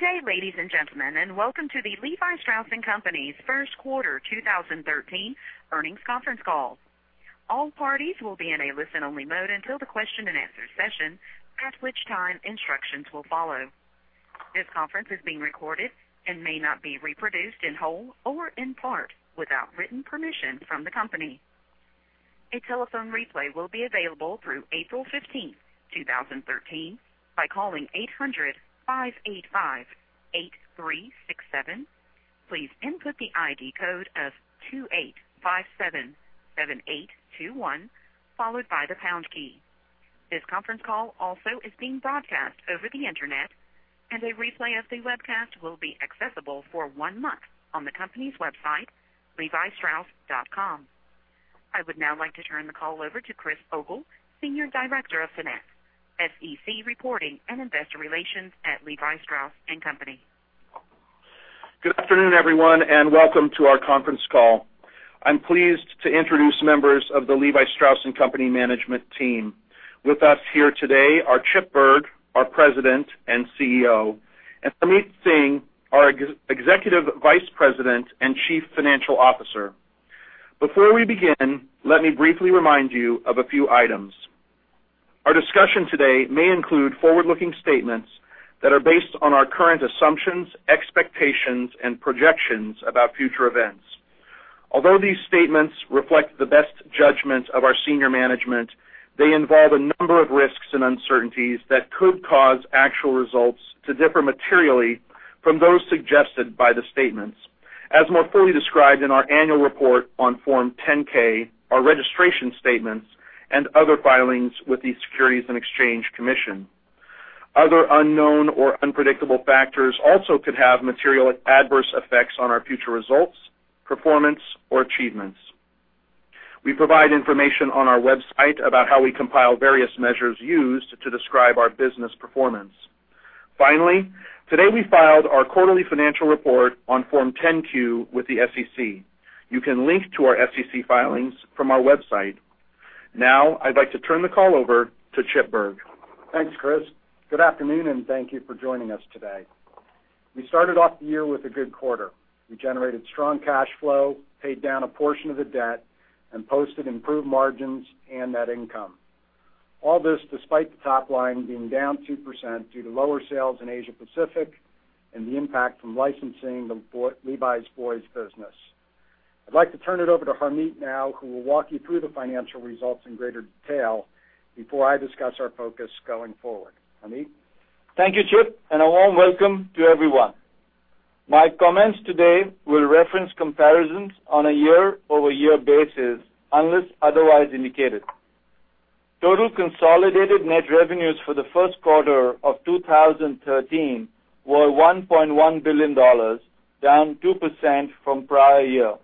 Good day, ladies and gentlemen, welcome to the Levi Strauss & Co.'s First Quarter 2013 Earnings Conference Call. All parties will be in a listen-only mode until the question and answer session, at which time instructions will follow. This conference is being recorded and may not be reproduced in whole or in part without written permission from the company. A telephone replay will be available through April 15th, 2013, by calling 800-585-8367. Please input the ID code of 28577821, followed by the pound key. This conference call also is being broadcast over the internet, and a replay of the webcast will be accessible for one month on the company's website, levistrauss.com. I would now like to turn the call over to Chris Ogle, Senior Director of Finance, SEC Reporting, and Investor Relations at Levi Strauss & Co. Good afternoon, everyone, welcome to our conference call. I'm pleased to introduce members of the Levi Strauss & Co. management team. With us here today are Chip Bergh, our President and CEO, and Harmit Singh, our Executive Vice President and Chief Financial Officer. Before we begin, let me briefly remind you of a few items. Our discussion today may include forward-looking statements that are based on our current assumptions, expectations, and projections about future events. Although these statements reflect the best judgments of our senior management, they involve a number of risks and uncertainties that could cause actual results to differ materially from those suggested by the statements, as more fully described in our annual report on Form 10-K, our registration statements, and other filings with the Securities and Exchange Commission. Other unknown or unpredictable factors also could have material adverse effects on our future results, performance, or achievements. We provide information on our website about how we compile various measures used to describe our business performance. Finally, today we filed our quarterly financial report on Form 10-Q with the SEC. You can link to our SEC filings from our website. Now, I'd like to turn the call over to Chip Bergh. Thanks, Chris. Good afternoon, thank you for joining us today. We started off the year with a good quarter. We generated strong cash flow, paid down a portion of the debt, and posted improved margins and net income. All this despite the top line being down 2% due to lower sales in Asia Pacific and the impact from licensing the Levi's boys business. I'd like to turn it over to Harmit now, who will walk you through the financial results in greater detail before I discuss our focus going forward. Harmit? Thank you, Chip, and a warm welcome to everyone. My comments today will reference comparisons on a year-over-year basis, unless otherwise indicated. Total consolidated net revenues for the first quarter of 2013 were $1.1 billion, down 2% from prior year.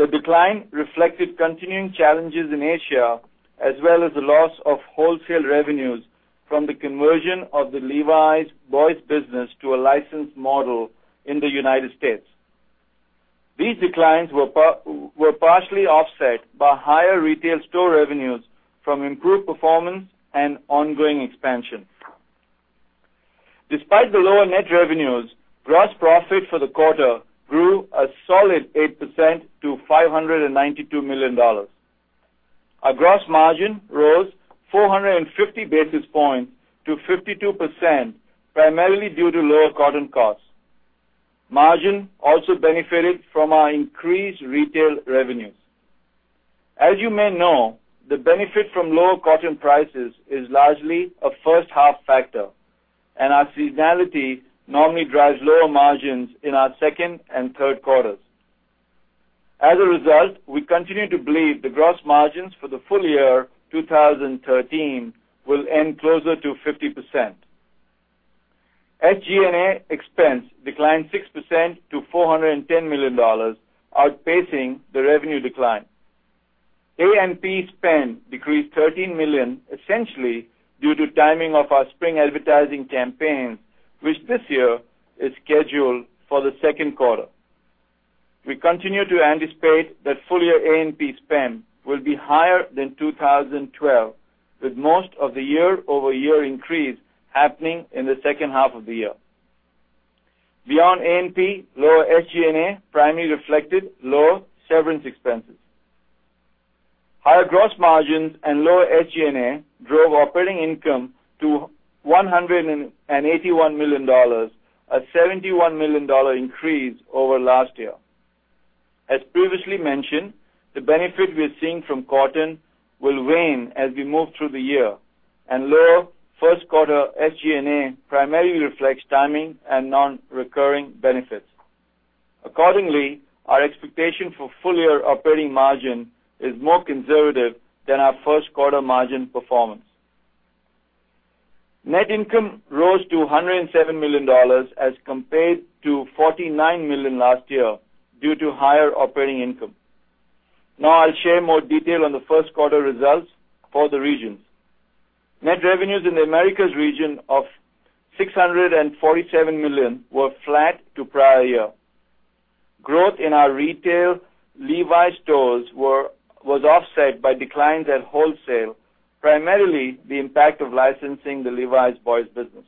The decline reflected continuing challenges in Asia, as well as the loss of wholesale revenues from the conversion of the Levi's boys business to a licensed model in the United States. These declines were partially offset by higher retail store revenues from improved performance and ongoing expansion. Despite the lower net revenues, gross profit for the quarter grew a solid 8% to $592 million. Our gross margin rose 450 basis points to 52%, primarily due to lower cotton costs. Margin also benefited from our increased retail revenues. As you may know, the benefit from lower cotton prices is largely a first-half factor, and our seasonality normally drives lower margins in our second and third quarters. As a result, we continue to believe the gross margins for the full year 2013 will end closer to 50%. SG&A expense declined 6% to $410 million, outpacing the revenue decline. A&P spend decreased $13 million, essentially due to timing of our spring advertising campaign, which this year is scheduled for the second quarter. We continue to anticipate that full-year A&P spend will be higher than 2012, with most of the year-over-year increase happening in the second half of the year. Beyond A&P, lower SG&A primarily reflected lower severance expenses. Higher gross margins and lower SG&A drove operating income to $181 million, a $71 million increase over last year. As previously mentioned, the benefit we're seeing from cotton will wane as we move through the year, and lower first quarter SG&A primarily reflects timing and non-recurring benefits. Accordingly, our expectation for full-year operating margin is more conservative than our first quarter margin performance. Net income rose to $107 million as compared to $49 million last year due to higher operating income. Now I'll share more detail on the first quarter results for the regions. Net revenues in the Americas region of $647 million were flat to prior year. Growth in our retail Levi's stores was offset by declines at wholesale, primarily the impact of licensing the Levi's boys business.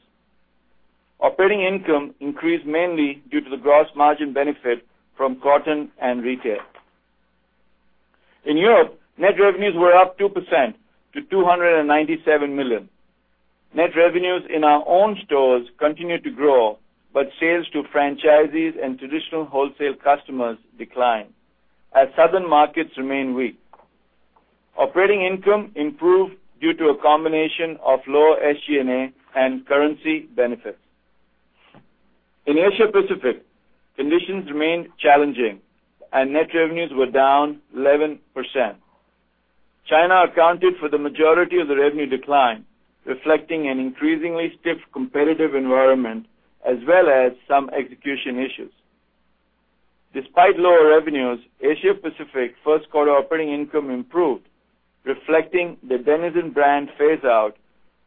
Operating income increased mainly due to the gross margin benefit from cotton and retail. In Europe, net revenues were up 2% to $297 million. Net revenues in our own stores continued to grow, but sales to franchisees and traditional wholesale customers declined as southern markets remained weak. Operating income improved due to a combination of lower SG&A and currency benefits. In Asia Pacific, conditions remained challenging and net revenues were down 11%. China accounted for the majority of the revenue decline, reflecting an increasingly stiff competitive environment, as well as some execution issues. Despite lower revenues, Asia Pacific first quarter operating income improved, reflecting the Denizen brand phase-out,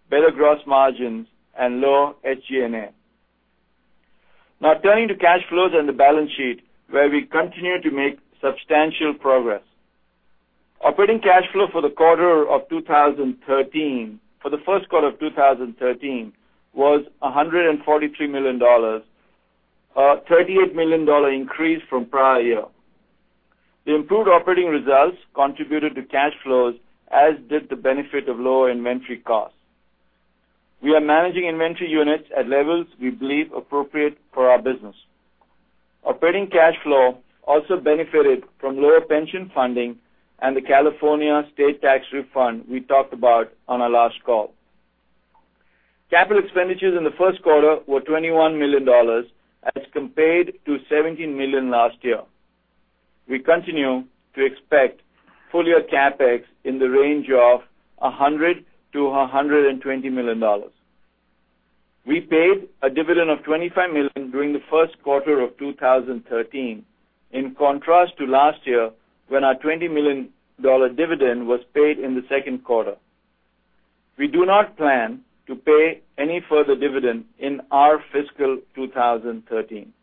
better gross margins, and lower SG&A. Now turning to cash flows and the balance sheet, where we continue to make substantial progress. Operating cash flow for the first quarter of 2013 was $143 million, a $38 million increase from prior year. The improved operating results contributed to cash flows, as did the benefit of lower inventory costs. We are managing inventory units at levels we believe appropriate for our business. Operating cash flow also benefited from lower pension funding and the California state tax refund we talked about on our last call. Capital expenditures in the first quarter were $21 million as compared to $17 million last year. We continue to expect full-year CapEx in the range of $100 million-$120 million. We paid a dividend of $25 million during the first quarter of 2013, in contrast to last year when our $20 million dividend was paid in the second quarter. We do not plan to pay any further dividend in our fiscal 2013.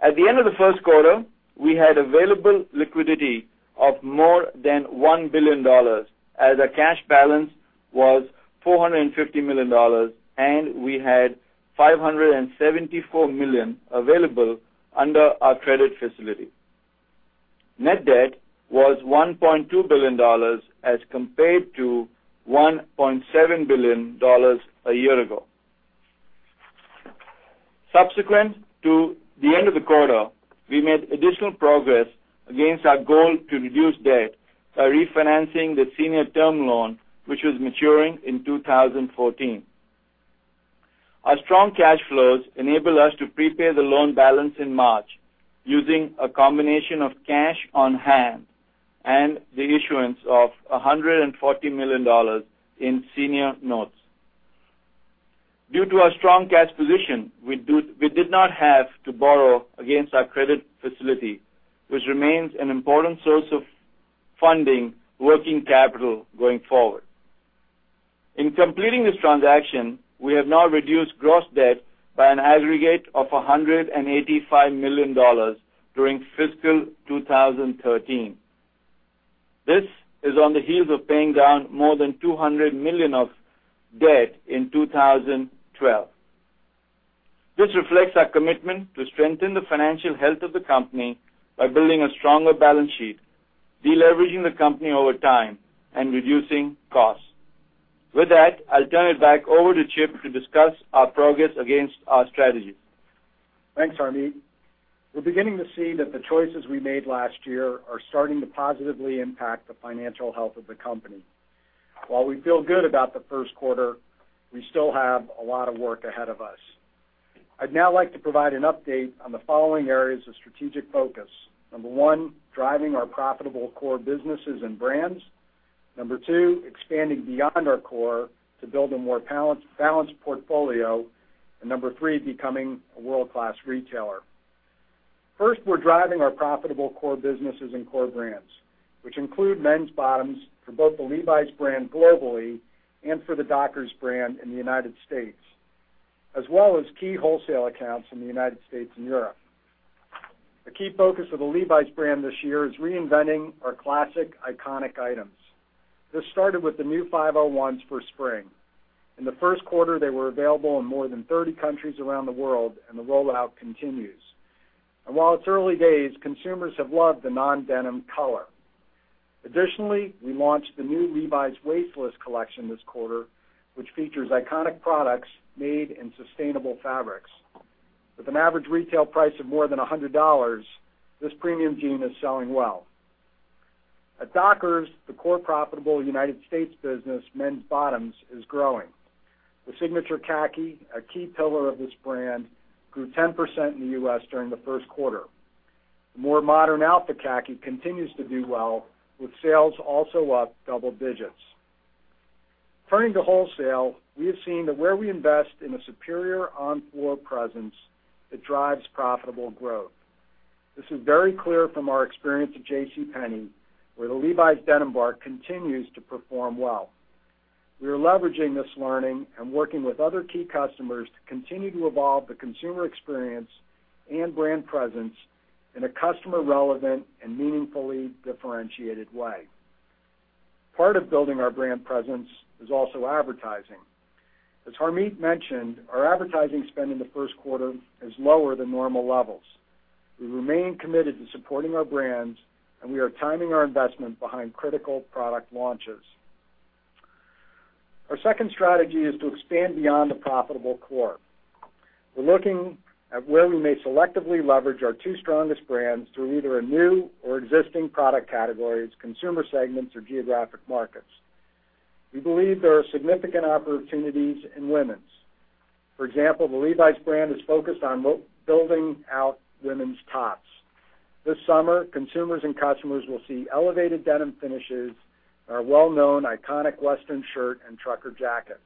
At the end of the first quarter, we had available liquidity of more than $1 billion as our cash balance was $450 million, and we had $574 million available under our credit facility. Net debt was $1.2 billion as compared to $1.7 billion a year ago. Subsequent to the end of the quarter, we made additional progress against our goal to reduce debt by refinancing the senior term loan, which was maturing in 2014. Our strong cash flows enabled us to prepay the loan balance in March using a combination of cash on hand and the issuance of $140 million in senior notes. Due to our strong cash position, we did not have to borrow against our credit facility, which remains an important source of funding working capital going forward. In completing this transaction, we have now reduced gross debt by an aggregate of $185 million during fiscal 2013. This is on the heels of paying down more than $200 million of debt in 2012. This reflects our commitment to strengthen the financial health of the company by building a stronger balance sheet, de-leveraging the company over time, and reducing costs. With that, I'll turn it back over to Chip to discuss our progress against our strategy. Thanks, Harmit. We're beginning to see that the choices we made last year are starting to positively impact the financial health of the company. While we feel good about the first quarter, we still have a lot of work ahead of us. I'd now like to provide an update on the following areas of strategic focus. Number one, driving our profitable core businesses and brands. Number two, expanding beyond our core to build a more balanced portfolio. Number three, becoming a world-class retailer. First, we're driving our profitable core businesses and core brands, which include men's bottoms for both the Levi's brand globally and for the Dockers brand in the United States, as well as key wholesale accounts in the United States and Europe. A key focus of the Levi's brand this year is reinventing our classic iconic items. This started with the new 501s for spring. In the first quarter, they were available in more than 30 countries around the world, and the rollout continues. While it's early days, consumers have loved the non-denim color. Additionally, we launched the new Levi's Waste<Less collection this quarter, which features iconic products made in sustainable fabrics. With an average retail price of more than $100, this premium jean is selling well. At Dockers, the core profitable United States business, men's bottoms, is growing. The Signature Khaki, a key pillar of this brand, grew 10% in the U.S. during the first quarter. The more modern Alpha Khaki continues to do well, with sales also up double digits. Turning to wholesale, we have seen that where we invest in a superior on-floor presence, it drives profitable growth. This is very clear from our experience at JCPenney, where the Levi's Denim Bar continues to perform well. We are leveraging this learning and working with other key customers to continue to evolve the consumer experience and brand presence in a customer-relevant and meaningfully differentiated way. Part of building our brand presence is also advertising. As Harmit mentioned, our advertising spend in the first quarter is lower than normal levels. We remain committed to supporting our brands, and we are timing our investment behind critical product launches. Our second strategy is to expand beyond the profitable core. We're looking at where we may selectively leverage our two strongest brands through either a new or existing product categories, consumer segments, or geographic markets. We believe there are significant opportunities in women's. For example, the Levi's brand is focused on building out women's tops. This summer, consumers and customers will see elevated denim finishes and our well-known iconic Western shirt and trucker jackets.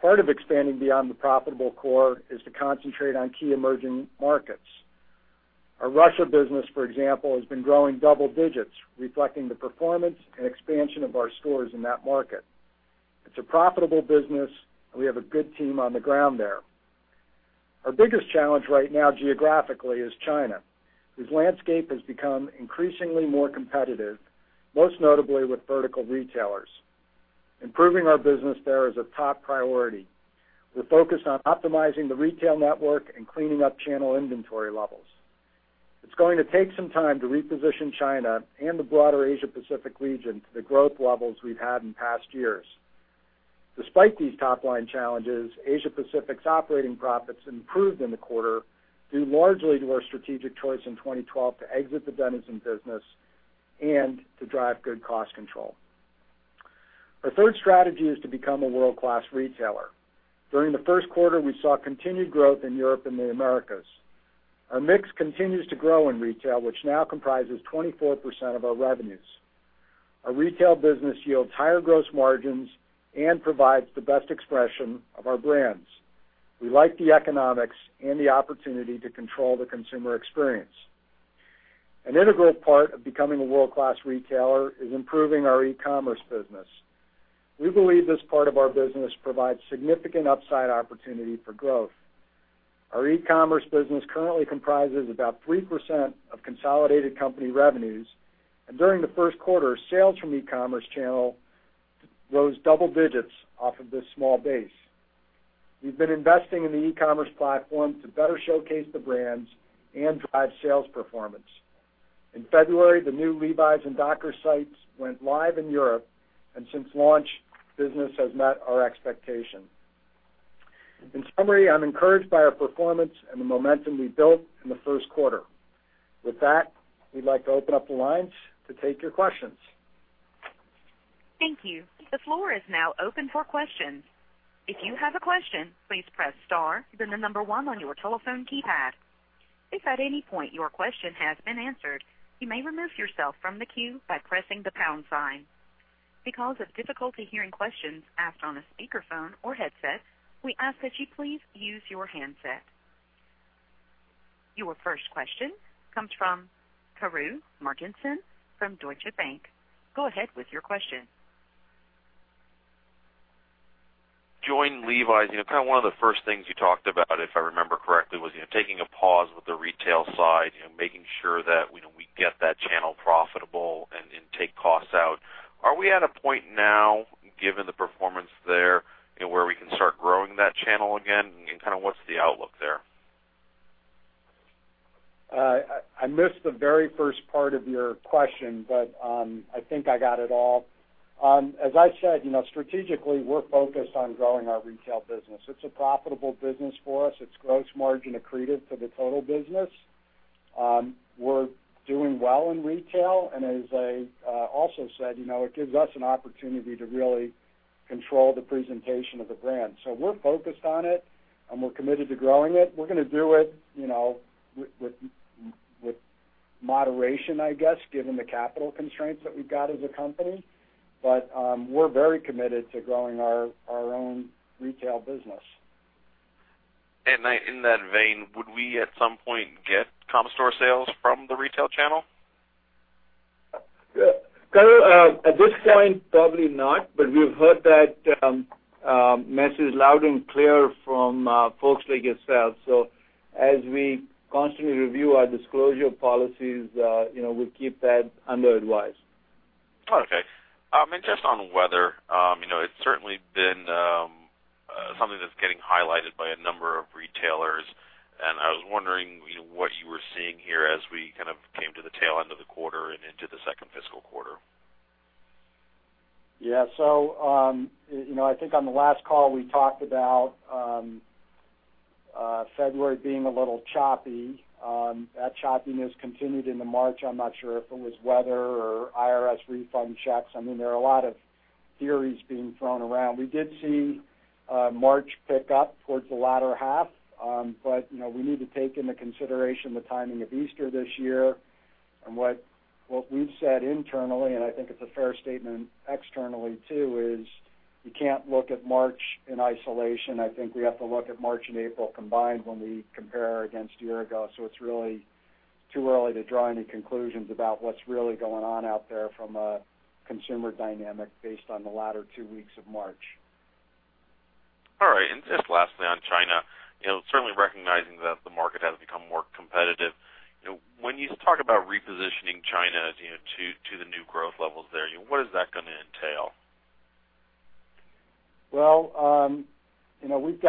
Part of expanding beyond the profitable core is to concentrate on key emerging markets. Our Russia business, for example, has been growing double digits, reflecting the performance and expansion of our stores in that market. It's a profitable business, and we have a good team on the ground there. Our biggest challenge right now geographically is China, whose landscape has become increasingly more competitive, most notably with vertical retailers. Improving our business there is a top priority. We're focused on optimizing the retail network and cleaning up channel inventory levels. It's going to take some time to reposition China and the broader Asia-Pacific region to the growth levels we've had in past years. Despite these top-line challenges, Asia-Pacific's operating profits improved in the quarter due largely to our strategic choice in 2012 to exit the Denizen business and to drive good cost control. Our third strategy is to become a world-class retailer. During the first quarter, we saw continued growth in Europe and the Americas. Our mix continues to grow in retail, which now comprises 24% of our revenues. Our retail business yields higher gross margins and provides the best expression of our brands. We like the economics and the opportunity to control the consumer experience. An integral part of becoming a world-class retailer is improving our e-commerce business. We believe this part of our business provides significant upside opportunity for growth. Our e-commerce business currently comprises about 3% of consolidated company revenues, and during the first quarter, sales from e-commerce channel rose double digits off of this small base. We've been investing in the e-commerce platform to better showcase the brands and drive sales performance. In February, the new Levi's and Dockers sites went live in Europe, and since launch, business has met our expectation. In summary, I'm encouraged by our performance and the momentum we built in the first quarter. With that, we'd like to open up the lines to take your questions. Thank you. The floor is now open for questions. If you have a question, please press star then the number one on your telephone keypad. If at any point your question has been answered, you may remove yourself from the queue by pressing the pound sign. Because of difficulty hearing questions asked on a speakerphone or headset, we ask that you please use your handset. Your first question comes from Kari Martinsen from Deutsche Bank. Go ahead with your question. Joined Levi's. One of the first things you talked about, if I remember correctly, was taking a pause with the retail side, making sure that we get that channel profitable and take costs out. Are we at a point now, given the performance there, where we can start growing that channel again? What's the outlook there? I missed the very first part of your question, I think I got it all. As I said, strategically, we're focused on growing our retail business. It's a profitable business for us. It's gross margin accretive to the total business. We're doing well in retail, and as I also said, it gives us an opportunity to really control the presentation of the brand. We're focused on it, and we're committed to growing it. We're going to do it with moderation, I guess, given the capital constraints that we've got as a company. We're very committed to growing our own retail business. In that vein, would we at some point get comp store sales from the retail channel? Kari, at this point, probably not, but we've heard that message loud and clear from folks like yourselves. As we constantly review our disclosure policies, we'll keep that under advice. Okay. Just on weather. It's certainly been something that's getting highlighted by a number of retailers. I was wondering what you were seeing here as we came to the tail end of the quarter and into the second fiscal quarter. Yeah. I think on the last call, we talked about February being a little choppy. That choppiness continued into March. I'm not sure if it was weather or IRS refund checks. There are a lot of theories being thrown around. We did see March pick up towards the latter half. We need to take into consideration the timing of Easter this year. What we've said internally, and I think it's a fair statement externally too, is you can't look at March in isolation. I think we have to look at March and April combined when we compare against year ago. It's really too early to draw any conclusions about what's really going on out there from a consumer dynamic based on the latter two weeks of March. All right. Just lastly, on China, certainly recognizing that the market has become more competitive. When you talk about repositioning China to the new growth levels there, what is that going to entail? Well, we've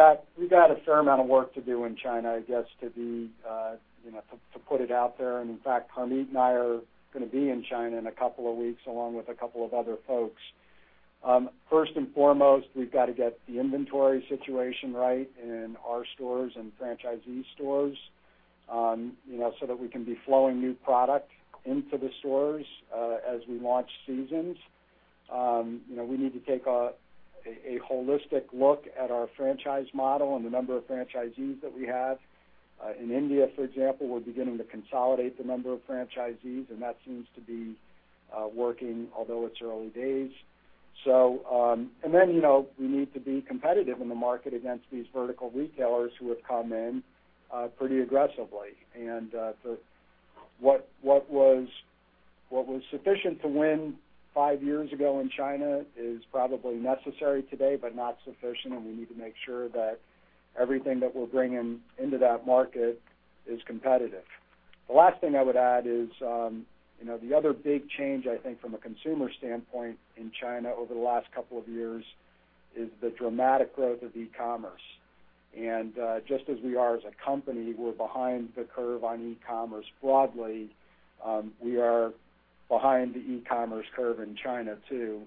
got a fair amount of work to do in China, I guess, to put it out there. In fact, Harmit and I are going to be in China in a couple of weeks, along with a couple of other folks. First and foremost, we've got to get the inventory situation right in our stores and franchisee stores, so that we can be flowing new product into the stores, as we launch seasons. We need to take a holistic look at our franchise model and the number of franchisees that we have. In India, for example, we're beginning to consolidate the number of franchisees, and that seems to be working, although it's early days. Then, we need to be competitive in the market against these vertical retailers who have come in pretty aggressively. What was sufficient to win five years ago in China is probably necessary today, but not sufficient, and we need to make sure that everything that we're bringing into that market is competitive. The last thing I would add is, the other big change, I think, from a consumer standpoint in China over the last couple of years, is the dramatic growth of e-commerce. Just as we are as a company, we're behind the curve on e-commerce broadly. We are behind the e-commerce curve in China too,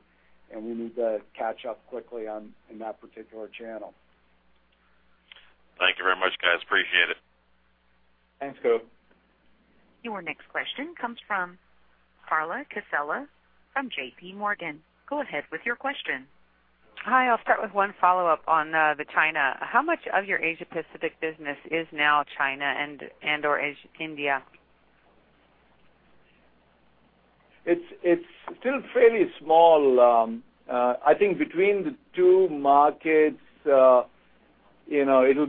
and we need to catch up quickly in that particular channel. Thank you very much, guys. Appreciate it. Thanks, Kari. Your next question comes from Carla Casella from JPMorgan. Go ahead with your question. Hi, I'll start with one follow-up on the China. How much of your Asia Pacific business is now China and/or India? It's still fairly small. I think between the two markets, it's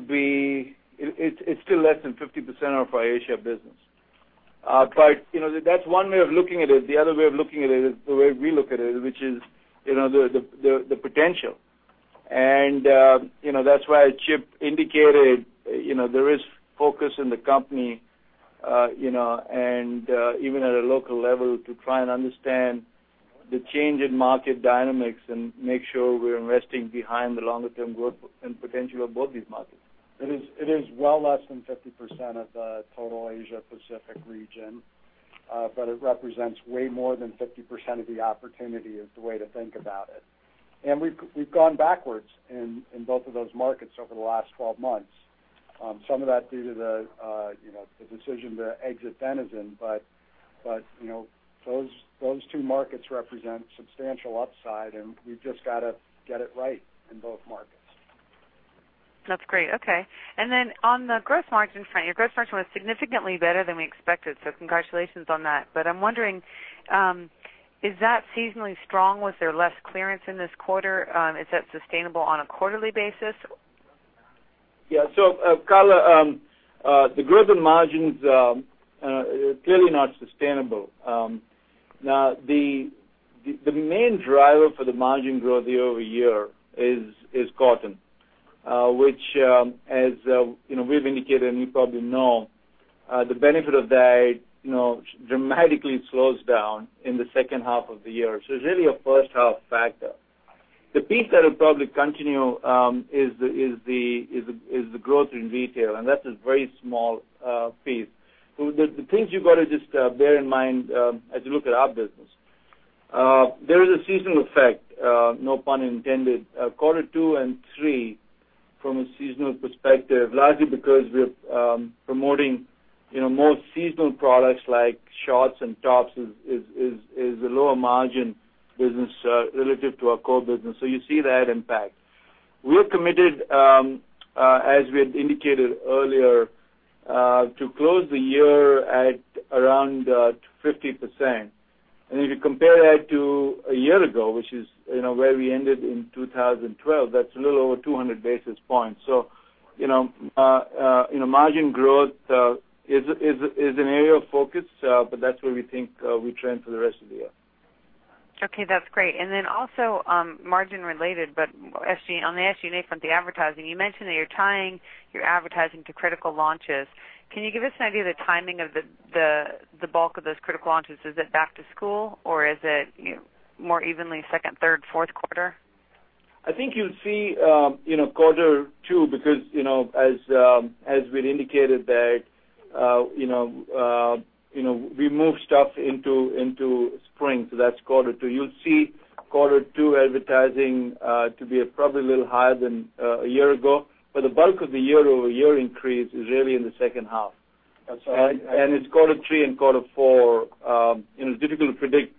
still less than 50% of our Asia business. That's one way of looking at it. The other way of looking at it is the way we look at it, which is the potential. That's why Chip indicated, there is focus in the company, and even at a local level, to try and understand the change in market dynamics and make sure we're investing behind the longer-term growth and potential of both these markets. It is well less than 50% of the total Asia Pacific region. It represents way more than 50% of the opportunity, is the way to think about it. We've gone backwards in both of those markets over the last 12 months. Some of that due to the decision to exit Denizen. Those two markets represent substantial upside, and we've just got to get it right in both markets. That's great. Okay. On the gross margin front, your gross margin was significantly better than we expected, congratulations on that. I'm wondering, is that seasonally strong? Was there less clearance in this quarter? Is that sustainable on a quarterly basis? Yeah. Carla, the growth in margins, clearly not sustainable. The main driver for the margin growth year-over-year is cotton, which as we've indicated and you probably know, the benefit of that dramatically slows down in the second half of the year. It's really a first-half factor. The piece that'll probably continue is the growth in retail, and that is a very small piece. The things you've got to just bear in mind as you look at our business. There is a seasonal effect, no pun intended. Quarter two and three, from a seasonal perspective, largely because we're promoting more seasonal products like shorts and tops is a lower margin business relative to our core business. You see that impact. We're committed, as we had indicated earlier, to close the year at around 50%. If you compare that to a year ago, which is where we ended in 2012, that's a little over 200 basis points. Margin growth is an area of focus, that's where we think we trend for the rest of the year. Okay, that's great. Also, margin related, but on the SG&A from the advertising, you mentioned that you're tying your advertising to critical launches. Can you give us an idea of the timing of the bulk of those critical launches? Is it back to school or is it more evenly second, third, fourth quarter? I think you'll see quarter two, because as we'd indicated there, we moved stuff into spring, so that's quarter two. You'll see quarter two advertising to be probably a little higher than a year ago. But the bulk of the year-over-year increase is really in the second half. It's quarter three and quarter four. It's difficult to predict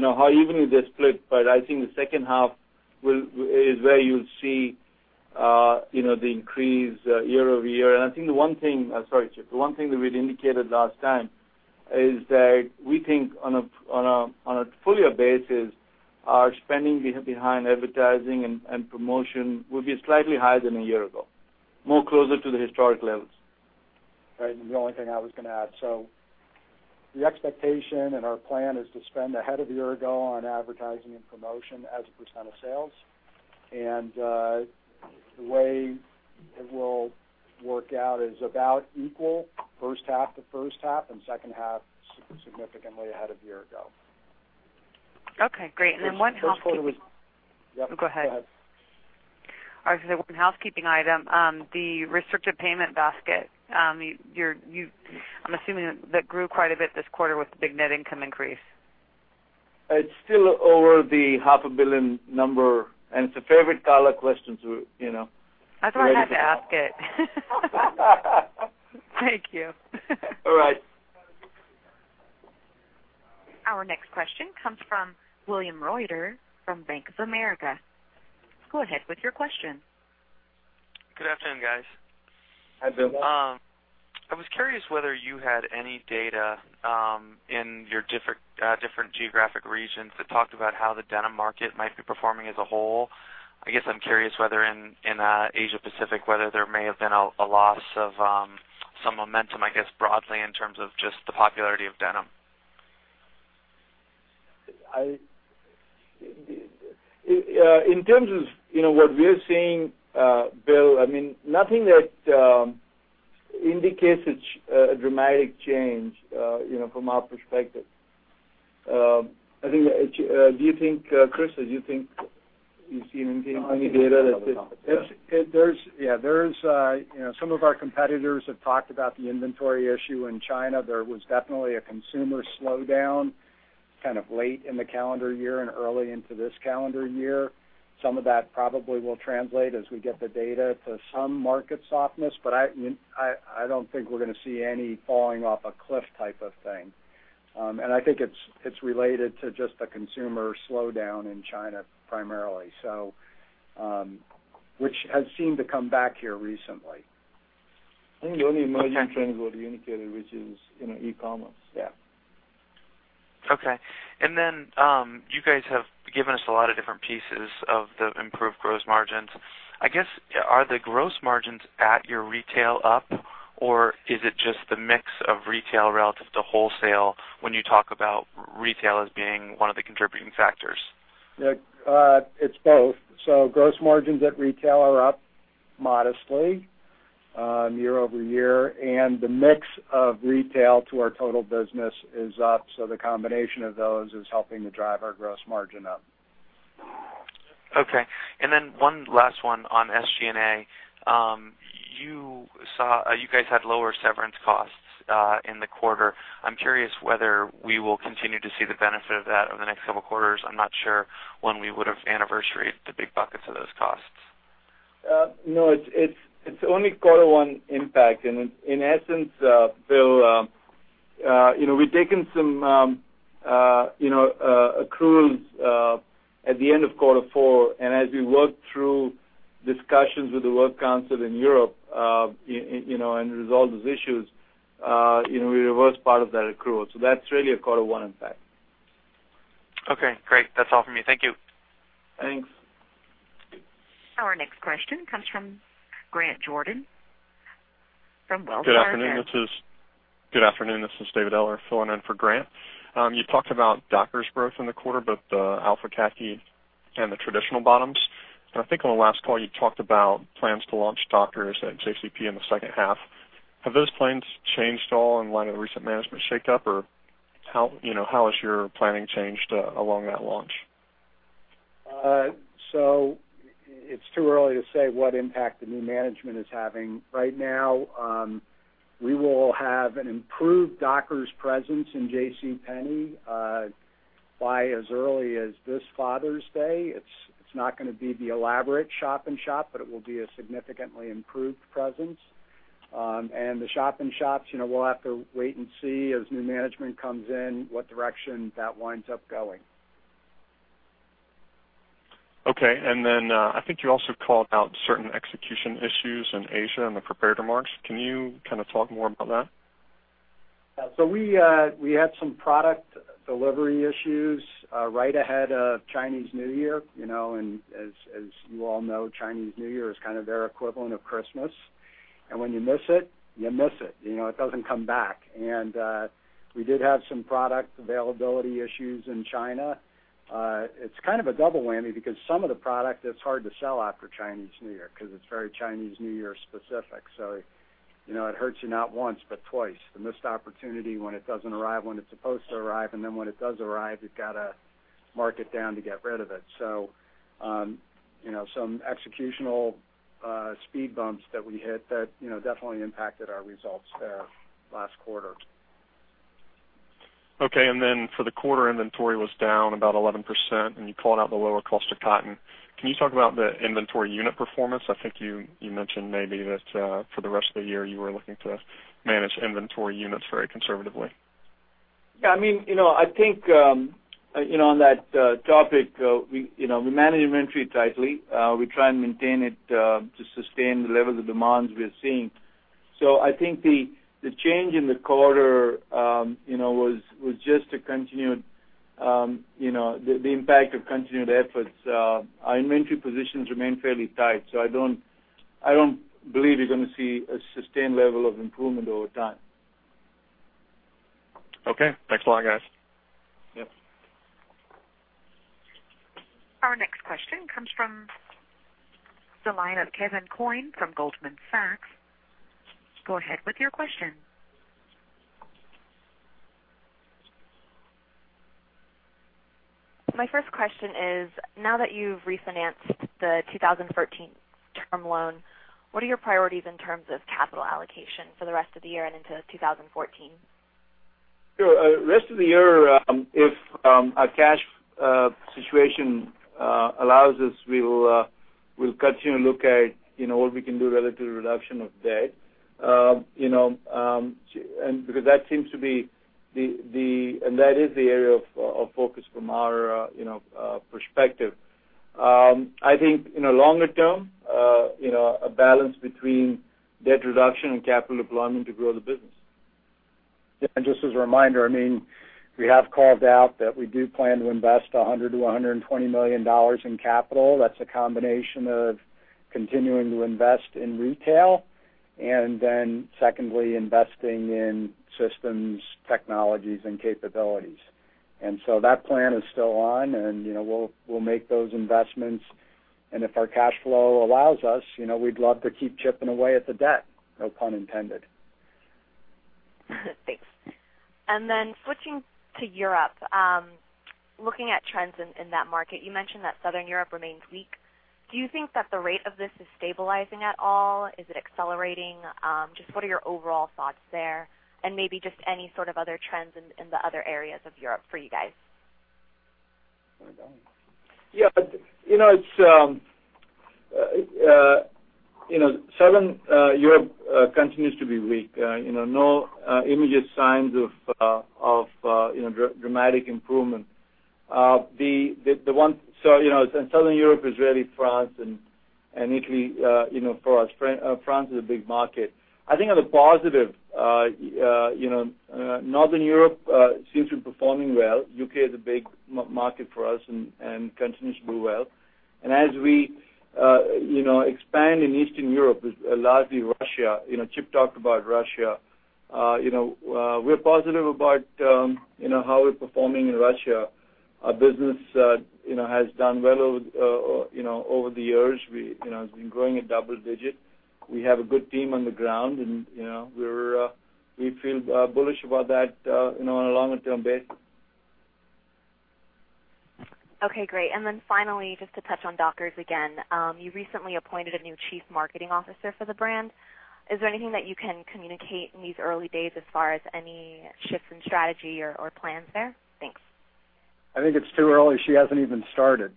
how evenly they're split, but I think the second half is where you'll see the increase year-over-year. I think the one thing Sorry, Chip. The one thing that we'd indicated last time is that we think on a full-year basis Our spending behind advertising and promotion will be slightly higher than a year ago, closer to the historic levels. Right. The only thing I was going to add. The expectation and our plan is to spend ahead of a year ago on advertising and promotion as a percent of sales. The way it will work out is about equal first half to first half and second half, significantly ahead of a year ago. Okay, great. One housekeeping. First quarter. Yep. Go ahead. Go ahead. I was going to say one housekeeping item. The restricted payment basket, I'm assuming that grew quite a bit this quarter with the big net income increase. It's still over the half a billion number, and it's a favorite Carla question. That's why I have to ask it. Thank you. All right. Our next question comes from William Reuter from Bank of America. Go ahead with your question. Good afternoon, guys. Hi, Bill. I was curious whether you had any data in your different geographic regions that talked about how the denim market might be performing as a whole. I guess I'm curious whether in Asia Pacific, whether there may have been a loss of some momentum, I guess, broadly, in terms of just the popularity of denim. In terms of what we're seeing, Bill, nothing that indicates a dramatic change from our perspective. Chris, do you think you've seen anything on the data? Some of our competitors have talked about the inventory issue in China. There was definitely a consumer slowdown kind of late in the calendar year and early into this calendar year. Some of that probably will translate as we get the data to some market softness, but I don't think we're going to see any falling off a cliff type of thing. I think it's related to just the consumer slowdown in China, primarily. Which has seemed to come back here recently. I think the only emerging trends were indicated, which is e-commerce. Yeah. Okay. You guys have given us a lot of different pieces of the improved gross margins. I guess, are the gross margins at your retail up, or is it just the mix of retail relative to wholesale when you talk about retail as being one of the contributing factors? It's both. Gross margins at retail are up modestly year-over-year, the mix of retail to our total business is up. The combination of those is helping to drive our gross margin up. Okay. Then one last one on SG&A. You guys had lower severance costs in the quarter. I'm curious whether we will continue to see the benefit of that over the next couple of quarters. I'm not sure when we would've anniversaried the big buckets of those costs. No, it's only quarter one impact. In essence, Bill, we've taken some accruals at the end of quarter four, and as we worked through discussions with the work council in Europe, and resolved those issues, we reversed part of that accrual. That's really a quarter one impact. Okay, great. That's all for me. Thank you. Thanks. Our next question comes from Grant Jordan from Wells Fargo. Good afternoon, this is David Eller filling in for Grant. You talked about Dockers growth in the quarter, but Alpha Khaki and the traditional bottoms. I think on the last call, you talked about plans to launch Dockers at JCP in the second half. Have those plans changed at all in light of the recent management shakeup? How has your planning changed along that launch? It's too early to say what impact the new management is having. Right now, we will have an improved Dockers presence in JCPenney by as early as this Father's Day. It's not going to be the elaborate shop in shop, but it will be a significantly improved presence. The shop in shops, we'll have to wait and see as new management comes in, what direction that winds up going. Okay. I think you also called out certain execution issues in Asia in the prepared remarks. Can you talk more about that? We had some product delivery issues right ahead of Chinese New Year, as you all know, Chinese New Year is kind of their equivalent of Christmas. When you miss it, you miss it. It doesn't come back. We did have some product availability issues in China. It's kind of a double whammy because some of the product is hard to sell after Chinese New Year because it's very Chinese New Year specific. It hurts you not once, but twice. The missed opportunity when it doesn't arrive when it's supposed to arrive, then when it does arrive, you've got to mark it down to get rid of it. Some executional speed bumps that we hit that definitely impacted our results there last quarter. Okay. For the quarter, inventory was down about 11%, you called out the lower cost of cotton. Can you talk about the inventory unit performance? I think you mentioned maybe that for the rest of the year, you were looking to manage inventory units very conservatively. Yeah. I think on that topic, we manage inventory tightly. We try and maintain it to sustain the level of demands we are seeing I think the change in the quarter was just the impact of continued efforts. Our inventory positions remain fairly tight, I don't believe you're going to see a sustained level of improvement over time. Okay. Thanks a lot, guys. Yep. Our next question comes from the line of Kevin Coyne from Goldman Sachs. Go ahead with your question. My first question is, now that you've refinanced the 2013 term loan, what are your priorities in terms of capital allocation for the rest of the year and into 2014? Sure. Rest of the year, if our cash situation allows us, we'll continue to look at what we can do relative to reduction of debt. That seems to be the area of focus from our perspective. I think in a longer term, a balance between debt reduction and capital deployment to grow the business. Yeah, just as a reminder, we have called out that we do plan to invest $100 million-$120 million in capital. That's a combination of continuing to invest in retail, and then secondly, investing in systems, technologies, and capabilities. That plan is still on and we'll make those investments, and if our cash flow allows us, we'd love to keep chipping away at the debt, no pun intended. Thanks. Switching to Europe, looking at trends in that market, you mentioned that Southern Europe remains weak. Do you think that the rate of this is stabilizing at all? Is it accelerating? What are your overall thoughts there, and maybe any sort of other trends in the other areas of Europe for you guys? Southern Europe continues to be weak. No immediate signs of dramatic improvement. Southern Europe is really France and Italy. For us, France is a big market. I think on the positive, Northern Europe seems to be performing well. U.K. is a big market for us and continues to do well. As we expand in Eastern Europe, is largely Russia. Chip talked about Russia. We're positive about how we're performing in Russia. Our business has done well over the years. It's been growing at double-digit. We have a good team on the ground, and we feel bullish about that on a longer-term basis. Okay, great. Then finally, just to touch on Dockers again. You recently appointed a new chief marketing officer for the brand. Is there anything that you can communicate in these early days as far as any shifts in strategy or plans there? Thanks. I think it's too early. She hasn't even started.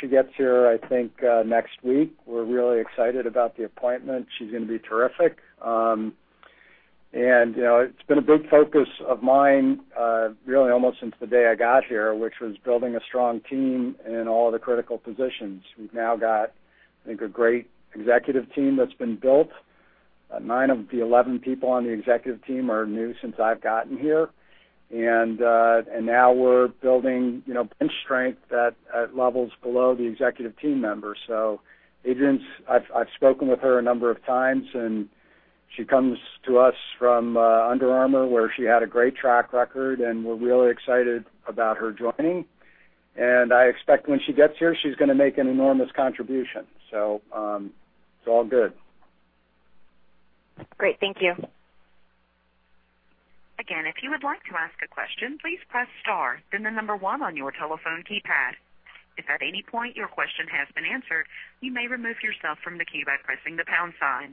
She gets here, I think, next week. We're really excited about the appointment. She's going to be terrific. It's been a big focus of mine, really almost since the day I got here, which was building a strong team in all the critical positions. We've now got, I think, a great executive team that's been built. Nine of the 11 people on the executive team are new since I've gotten here, and now we're building bench strength at levels below the executive team members. Adrienne, I've spoken with her a number of times, and she comes to us from Under Armour, where she had a great track record, and we're really excited about her joining. I expect when she gets here, she's going to make an enormous contribution. It's all good. Great. Thank you. Again, if you would like to ask a question, please press star, then the number one on your telephone keypad. If at any point your question has been answered, you may remove yourself from the queue by pressing the pound sign.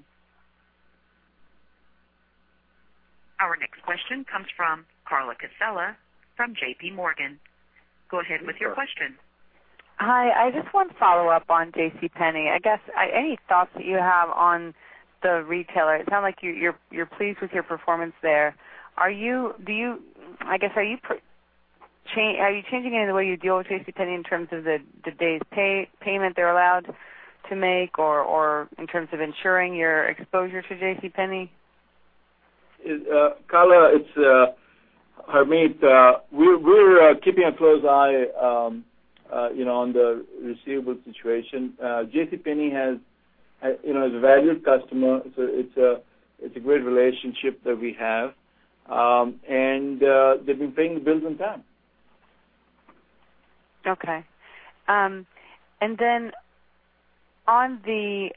Our next question comes from Carla Casella from JPMorgan. Go ahead with your question. Hi. I just want to follow up on JCPenney. I guess, any thoughts that you have on the retailer? It sounds like you're pleased with your performance there. I guess, are you changing any of the way you deal with JCPenney in terms of the days payment they're allowed to make or in terms of ensuring your exposure to JCPenney? Carla, it's Harmit. We're keeping a close eye on the receivable situation. JCPenney is a valued customer. It's a great relationship that we have. They've been paying the bills on time. Okay. Then on the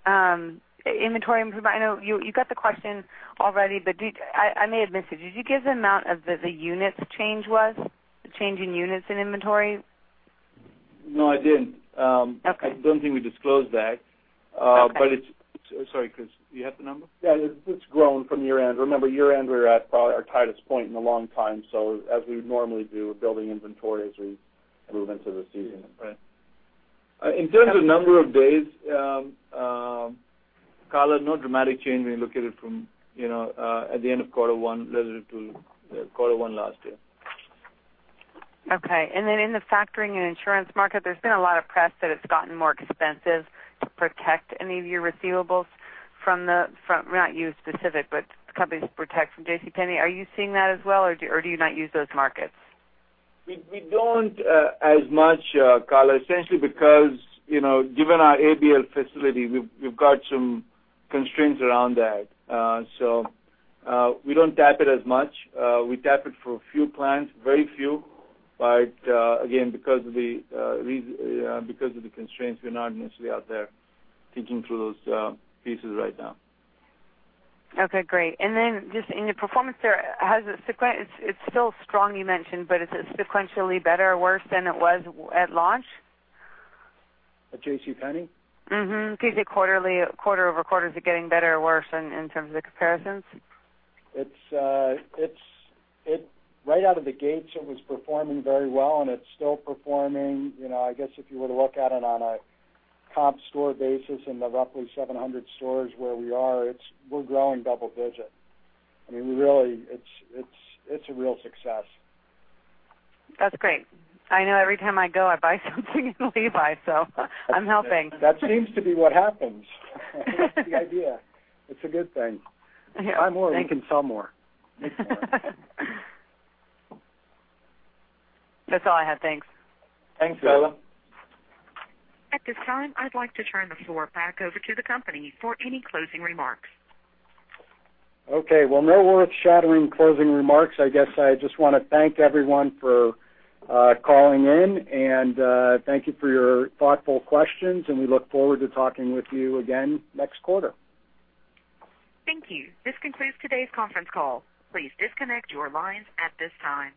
inventory improvement, I know you got the question already, but I may have missed it. Did you give the amount of the units change was? The change in units in inventory? No, I didn't. Okay. I don't think we disclosed that. Okay. Sorry, Chris, do you have the number? Yeah. It's grown from year-end. Remember, year-end, we were at probably our tightest point in a long time, so as we would normally do, we're building inventory as we move into the season. Right. In terms of number of days, Carla, no dramatic change when you look at it from at the end of quarter one relative to quarter one last year. Okay. In the factoring and insurance market, there's been a lot of press that it's gotten more expensive to protect any of your receivables not you specific, but companies protect from JCPenney. Are you seeing that as well, or do you not use those markets? We don't as much, Carla, essentially because, given our ABL facility, we've got some constraints around that. We don't tap it as much. We tap it for a few clients, very few. Again, because of the constraints, we're not necessarily out there thinking through those pieces right now. Okay, great. Just in your performance there, it's still strong, you mentioned, is it sequentially better or worse than it was at launch? At JCPenney? Mm-hmm. Do you see quarter-over-quarter, is it getting better or worse in terms of the comparisons? Right out of the gates, it was performing very well, and it's still performing. I guess if you were to look at it on a comp store basis in the roughly 700 stores where we are, we're growing double digit. It's a real success. That's great. I know every time I go, I buy something in Levi's, so I'm helping. That seems to be what happens. That's the idea. It's a good thing. Buy more. They can sell more. That's all I have. Thanks. Thanks, Carla. At this time, I'd like to turn the floor back over to the company for any closing remarks. Okay. Well, no earth-shattering closing remarks. I guess I just want to thank everyone for calling in, and thank you for your thoughtful questions, and we look forward to talking with you again next quarter. Thank you. This concludes today's conference call. Please disconnect your lines at this time.